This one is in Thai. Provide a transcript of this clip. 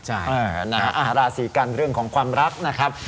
ใช่ราศีกันเรื่องของความรักนะครับ